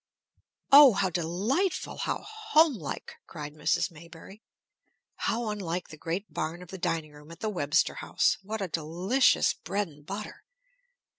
"Oh, how delightful, how homelike!" cried Mrs. Maybury. How unlike the great barn of a dining room at the Webster House! What delicious bread and butter!